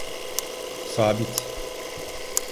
Sabit…